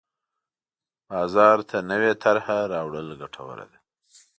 بازار ته نوې طرحه راوړل ګټوره ده.